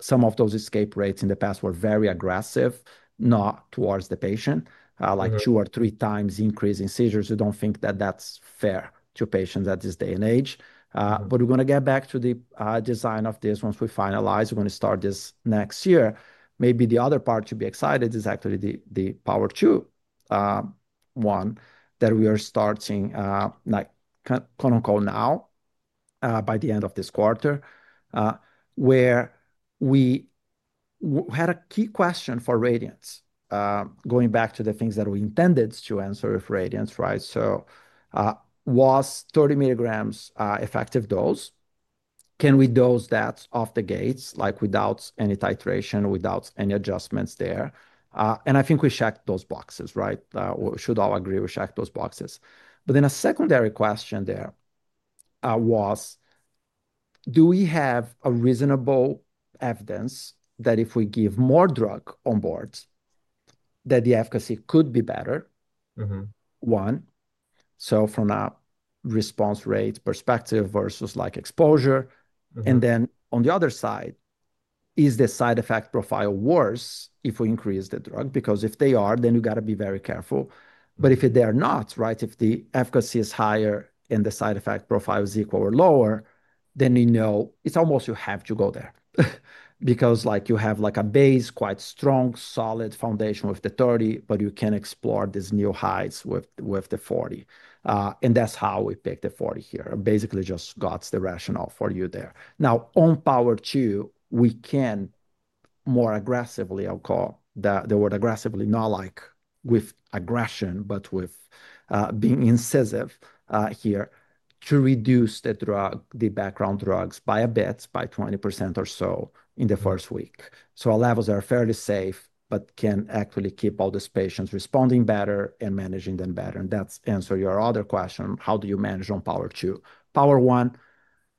Some of those escape rates in the past were very aggressive, not towards the patient. Like 2 or 3x increase in seizures, you don't think that that's fair to patients at this day and age. We're going to get back to the design of this once we finalize. We're going to start this next year. Maybe the other part to be excited is actually the Power 2, 1, that we are starting clinical now by the end of this quarter, where we had a key question for Radiens. Going back to the things that we intended to answer with Radiens, right? Was 30 mg an effective dose? Can we dose that off the gates without any titration, without any adjustments there? I think we checked those boxes, right? Should all agree we checked those boxes. Then a secondary question there was, do we have reasonable evidence that if we give more drug on board, that the efficacy could be better? One, from a response rate perspective versus exposure. On the other side, is the side effect profile worse if we increase the drug? If they are, then you got to be very careful. If they're not, if the efficacy is higher and the side effect profile is equal or lower, then you know it's almost you have to go there. You have a base, quite strong, solid foundation with the 30, but you can explore these new heights with the 40. That's how we picked the 40 here. Basically, just got the rationale for you there. On Power 2, we can more aggressively, I'll call the word aggressively, not with aggression, but with being incisive here to reduce the drug, the background drugs by a bit, by 20% or so in the first week. Our levels are fairly safe, but can actually keep all these patients responding better and managing them better. That answers your other question, how do you manage on Power 2? Power 1,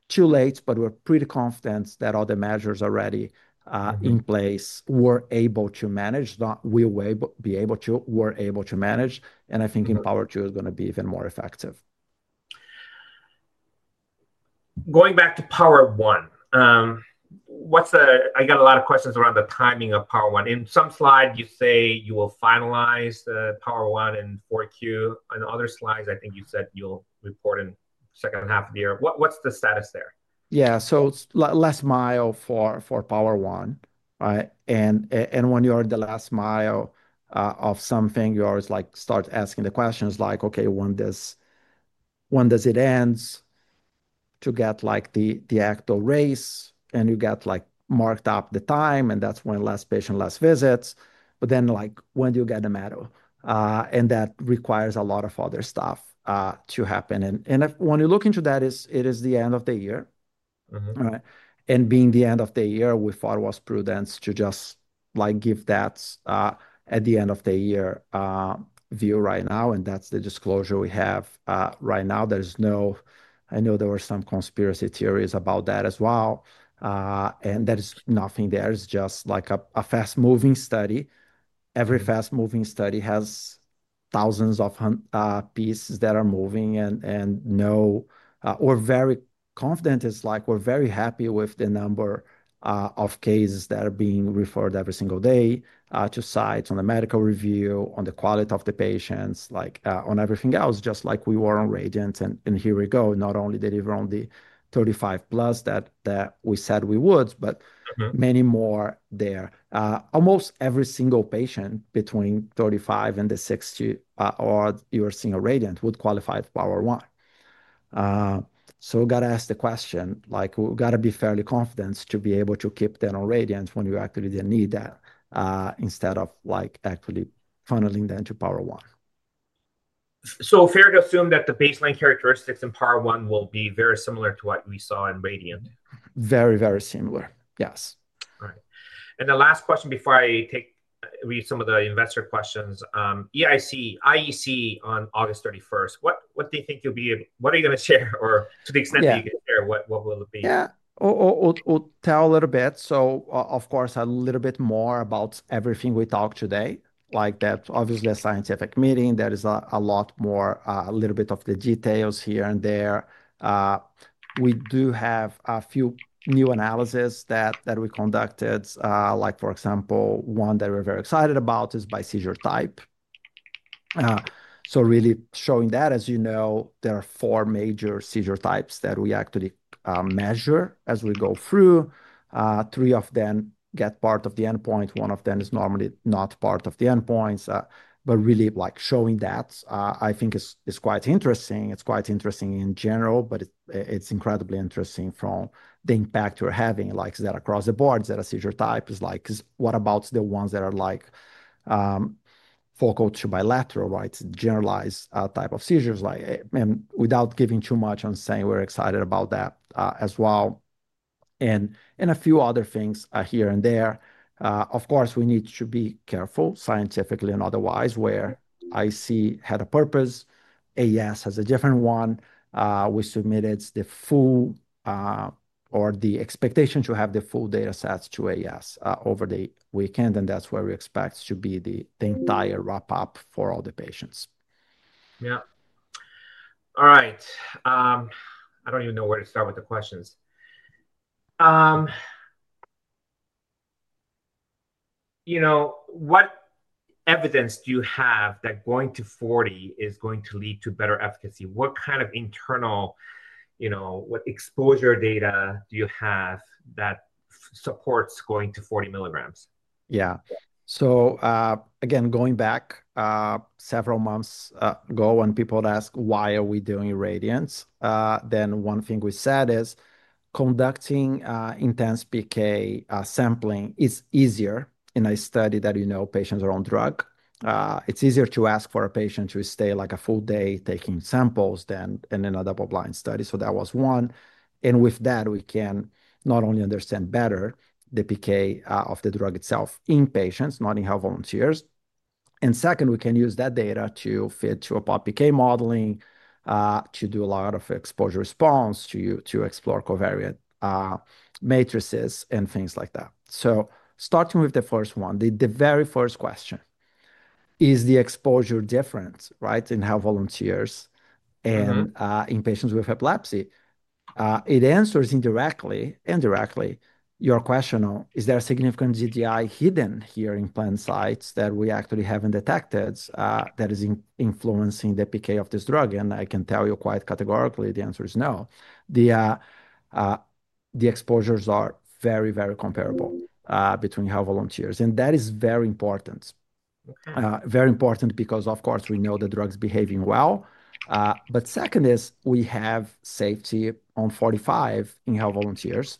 too late, but we're pretty confident that all the measures already in place were able to manage. We'll be able to, we're able to manage. I think in Power 2, it's going to be even more effective. Going back to Power 1, what's the, I got a lot of questions around the timing of Power 1. In some slide, you say you will finalize the Power 1 in 4Q. In other slides, I think you said you'll report in the second half of the year. What's the status there? Yeah, so it's last mile for Power 1, right? When you're in the last mile of something, you always start asking the questions like, okay, when does it end to get like the actual race? You get marked up the time, and that's when last patient, last visits. When do you get the medal? That requires a lot of other stuff to happen. When you look into that, it is the end of the year. Being the end of the year, we thought it was prudent to just give that end of the year view right now. That's the disclosure we have right now. I know there were some conspiracy theories about that as well. There is nothing there. It's just a fast-moving study. Every fast-moving study has thousands of pieces that are moving. We're very confident. We're very happy with the number of cases that are being referred every single day to sites. On the medical review, on the quality of the patients, on everything else, just like we were on Radiens. Here we go. Not only did we run the 35+ that we said we would, but many more there. Almost every single patient between 35 and the 60 you're seeing in Radiens would qualify for Power 1. We got to ask the question, we got to be fairly confident to be able to keep them on Radiens when you actually didn't need that instead of actually funneling them to Power 1. It's fair to assume that the baseline characteristics in Power 1 will be very similar to what we saw in Radiens? Very, very similar, yes. Right. The last question before I read some of the investor questions, IEC on August 31st, what do you think you'll be, what are you going to share or to the extent that you can share, what will it be? Yeah, we'll tell a little bit. Of course, a little bit more about everything we talked today. That's obviously a scientific meeting. There is a lot more, a little bit of the details here and there. We do have a few new analyses that we conducted. For example, one that we're very excited about is by seizure type. Really showing that, as you know, there are four major seizure types that we actually measure as we go through. Three of them get part of the endpoint. One of them is normally not part of the endpoints. Really showing that, I think, is quite interesting. It's quite interesting in general, but it's incredibly interesting from the impact you're having, like is that across the board, is that a seizure type? What about the ones that are like focal to bilateral, right? Generalized type of seizures. Without giving too much on saying we're excited about that as well. A few other things here and there. Of course, we need to be careful scientifically and otherwise where IEC had a purpose. AES has a different one. We submitted the full or the expectation to have the full data sets to AES over the weekend. That's where we expect to be the entire wrap-up for all the patients. All right. I don't even know where to start with the questions. What evidence do you have that going to 40 mg is going to lead to better efficacy? What kind of internal, you know, what exposure data do you have that supports going to 40 mg? Yeah. So again, going back several months ago when people asked why are we doing Radiens, one thing we said is conducting intense PK sampling is easier in a study that you know patients are on drug. It's easier to ask for a patient to stay like a full day taking samples than in a double-blind study. That was one. With that, we can not only understand better the PK of the drug itself in patients, not in healthy volunteers. Second, we can use that data to fit to a PK modeling, to do a lot of exposure response, to explore covariant matrices, and things like that. Starting with the first one, the very first question, is the exposure different, right, in healthy volunteers and in patients with epilepsy? It answers indirectly your question on is there a significant GDI hidden here in planned sites that we actually haven't detected that is influencing the PK of this drug? I can tell you quite categorically, the answer is no. The exposures are very, very comparable between healthy volunteers. That is very important. Very important because, of course, we know the drug's behaving well. Second is we have safety on 45 in healthy volunteers.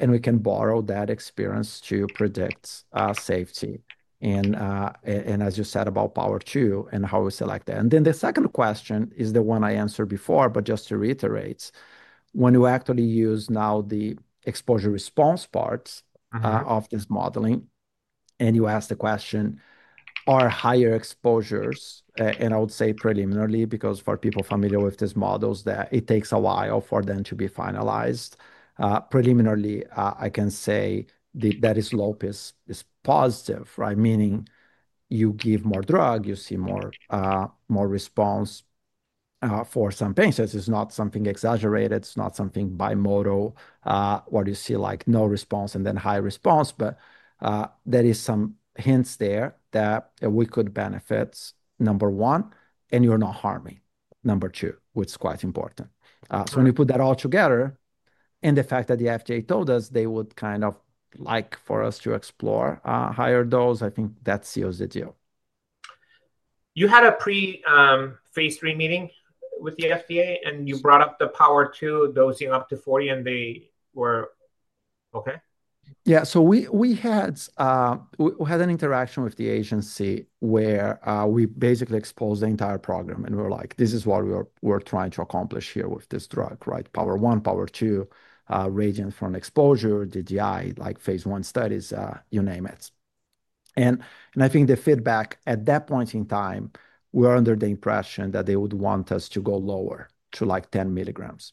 We can borrow that experience to predict safety, as you said about Power 2 and how we select that. The second question is the one I answered before, but just to reiterate, when you actually use now the exposure response parts of this modeling, and you ask the question, are higher exposures? I would say preliminarily, because for people familiar with these models that it takes a while for them to be finalized, preliminarily, I can say that is low risk is positive, right? Meaning you give more drug, you see more response for some patients. It's not something exaggerated. It's not something bimodal where you see like no response and then high response. There are some hints there that we could benefit, number one, and you're not harming, number two, which is quite important. When you put that all together, and the fact that the FDA told us they would kind of like for us to explore a higher dose, I think that seals the deal. You had a pre-Phase III meeting with the FDA, and you brought up the Power 2 dosing up to 40, and they were okay? Yeah, so we had an interaction with the agency where we basically exposed the entire program. We were like, this is what we're trying to accomplish here with this drug, right? Power 1, Power 2, Radiens from exposure, DDI, like phase I studies, you name it. I think the feedback at that point in time, we were under the impression that they would want us to go lower to like 10 mg.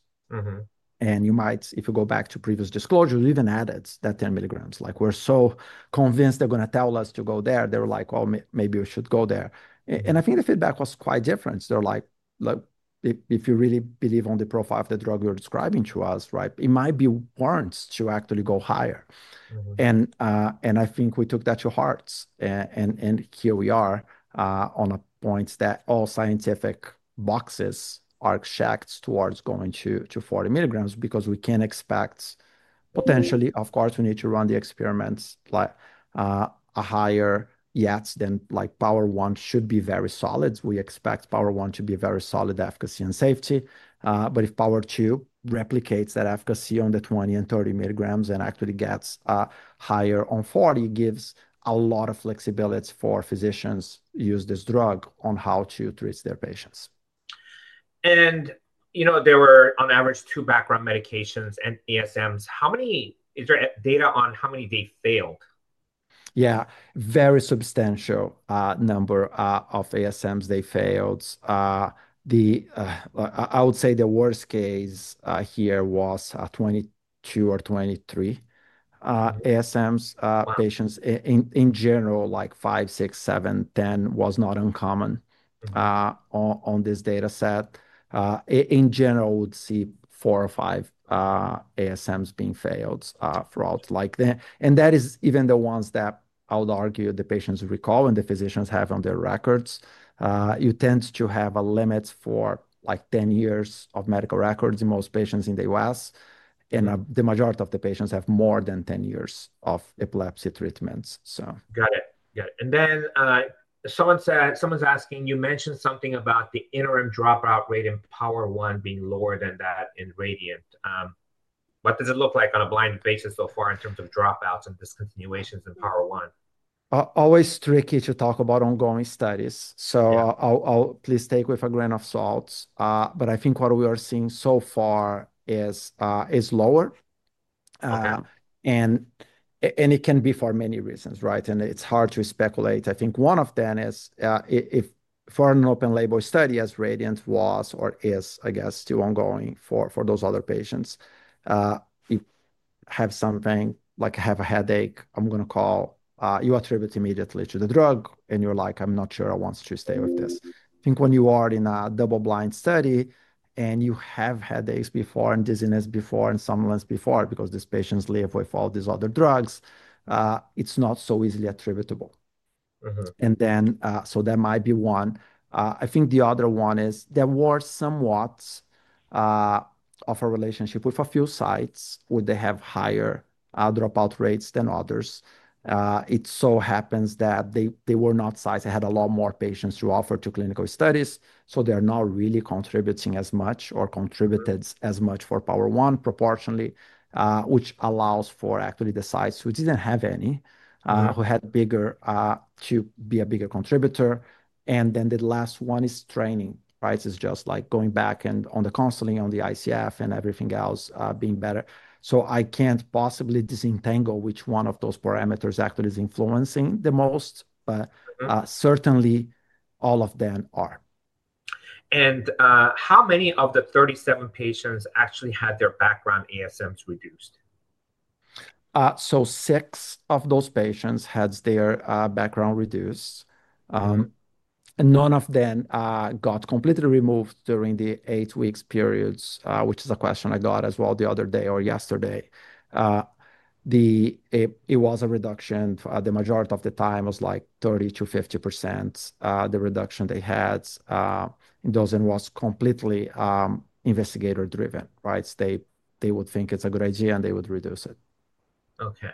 If you go back to previous disclosure, you even added that 10 mg. Like we're so convinced they're going to tell us to go there. They're like, well, maybe we should go there. I think the feedback was quite different. They're like, look, if you really believe on the profile of the drug you're describing to us, right, it might be warranted to actually go higher. I think we took that to heart. Here we are on a point that all scientific boxes are checked towards going to 40 mg because we can expect potentially, of course, we need to run the experiments, like a higher yet than like Power 1 should be very solid. We expect Power 1 to be very solid efficacy and safety. If Power 2 replicates that efficacy on the 20 and 30 mg and actually gets higher on 40 mg, it gives a lot of flexibility for physicians to use this drug on how to treat their patients. There were, on average, two background medications and ASMs. How many, is there data on how many they failed? Yeah, very substantial number of ASMs they failed. I would say the worst case here was 22 or 23 ASMs. Patients in general, like five, six, seven, ten was not uncommon on this data set. In general, we'd see four or five ASMs being failed throughout. That is even the ones that I would argue the patients recall and the physicians have on their records. You tend to have a limit for like 10 years of medical records in most patients in the U.S. The majority of the patients have more than 10 years of epilepsy treatment. Got it. Yeah. Someone's asking, you mentioned something about the interim dropout rate in Power 1 being lower than that in Radiens. What does it look like on a blind patient so far in terms of dropouts and discontinuations in Power 1? Always tricky to talk about ongoing studies. Please take with a grain of salt. I think what we are seeing so far is lower, and it can be for many reasons, right? It's hard to speculate. I think one of them is if for an open-label study as Radiens was or is, I guess, too ongoing for those other patients, you have something like have a headache, I'm going to call, you attribute immediately to the drug, and you're like, I'm not sure I want to stay with this. I think when you are in a double-blind study and you have headaches before and dizziness before and somnolence before because these patients live with all these other drugs, it's not so easily attributable. That might be one. I think the other one is there were somewhat of a relationship with a few sites where they have higher dropout rates than others. It so happens that they were not sites that had a lot more patients to offer to clinical studies. They are not really contributing as much or contributed as much for Power 1 proportionately, which allows for actually the sites who didn't have any, who had bigger to be a bigger contributor. The last one is training, right? It's just like going back and on the counseling, on the ICF, and everything else being better. I can't possibly disentangle which one of those parameters actually is influencing the most, but certainly all of them are. How many of the 37 patients actually had their background ASMs reduced? Six of those patients had their background reduced. None of them got completely removed during the eight weeks period, which is a question I got as well the other day or yesterday. It was a reduction. The majority of the time was like 30%-50% the reduction they had. That was completely investigator-driven, right? They would think it's a good idea and they would reduce it. Okay.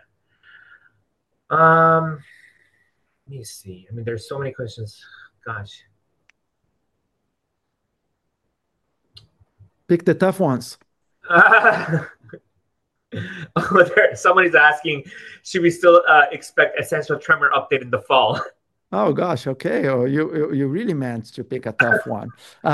Let me see. I mean, there's so many questions. Gosh. Pick the tough ones. Somebody's asking, should we still expect essential tremor update in the fall? Oh gosh, okay. You really meant to pick a tough one. We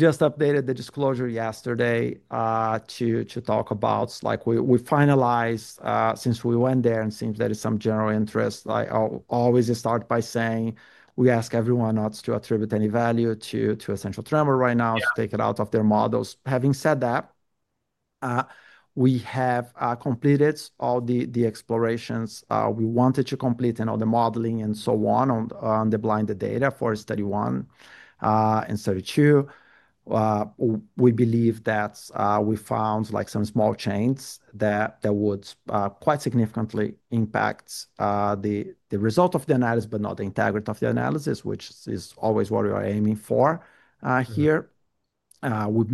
just updated the disclosure yesterday to talk about, like, we finalized since we went there and seeing if there is some general interest. I always start by saying we ask everyone not to attribute any value to essential tremor right now, to take it out of their models. Having said that, we have completed all the explorations we wanted to complete in all the modeling and so on, on the blinded data for study one and study two. We believe that we found, like, some small change that would quite significantly impact the result of the analysis, but not the integrity of the analysis, which is always what we are aiming for here. We've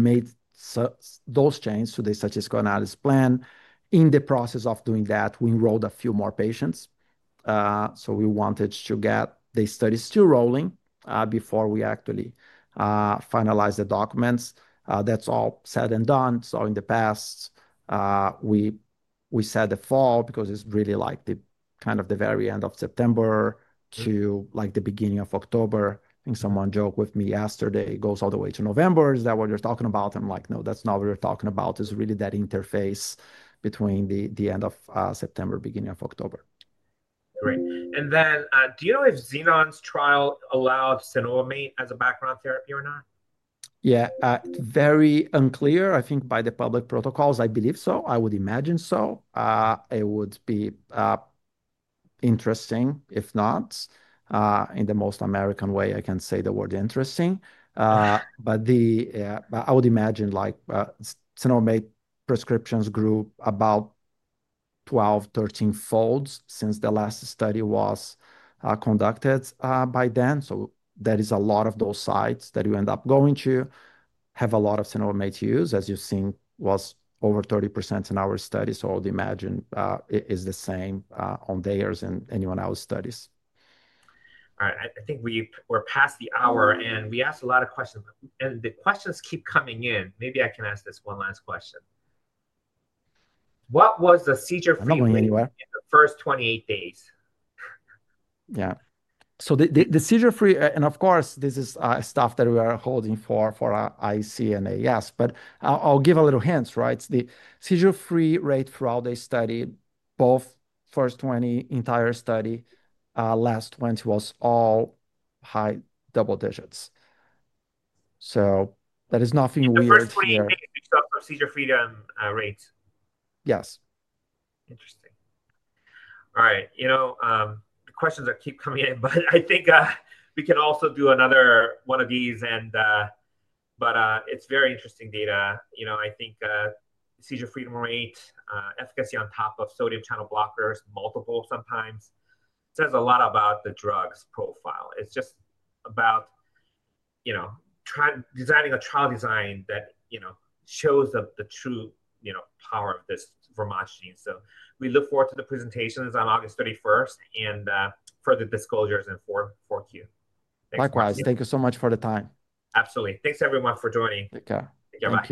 made those changes to the statistical analysis plan. In the process of doing that, we enrolled a few more patients. We wanted to get the studies to rolling before we actually finalize the documents. That's all said and done. In the past, we said the fall because it's really like the kind of the very end of September to, like, the beginning of October. Someone joked with me yesterday, it goes all the way to November. Is that what you're talking about? I'm like, no, that's not what we're talking about. It's really that interface between the end of September, beginning of October. Great. Do you know if Zenon's trial allowed cenobamate as a background therapy or not? Yeah, it's very unclear. I think by the public protocols, I believe so. I would imagine so. It would be interesting, if not in the most American way I can say the word interesting. I would imagine cenobamate prescriptions grew about 12, 13-fold since the last study was conducted by then. That is a lot of those sites that you end up going to have a lot of cenobamate to use, as you've seen was over 30% in our studies. I would imagine it's the same on theirs and anyone else's studies. I think we're past the hour, and we asked a lot of questions. The questions keep coming in. Maybe I can ask this one last question. What was the seizure free rate in the first 28 days? Yeah. The seizure free, and of course this is stuff that we are holding for IEC and AES, but I'll give a little hint, right? The seizure free rate throughout the study, both first 20, entire study, last 20, was all high double digits. There is nothing weird here. Seizure freedom rate. Yes. Interesting. All right. You know, the questions that keep coming in, but I think we can also do another one of these. It's very interesting data. I think seizure freedom rate, efficacy on top of sodium channel blockers, multiple sometimes, says a lot about the drug's profile. It's just about designing a trial design that shows the true power of this relutrigine. We look forward to the presentations on August 31 and further disclosures in 4Q. Likewise, thank you so much for the time. Absolutely. Thanks everyone for joining. Take care. Bye-bye.